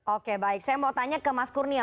oke baik saya mau tanya ke mas kurnia